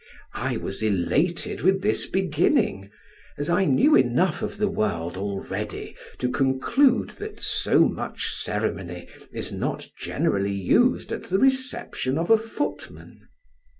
I was elated with this beginning, as I knew enough of the world already to conclude, that so much ceremony is not generally used at the reception of a footman.